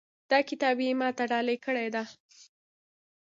دا کتاب یې ما ته ډالۍ کړی ده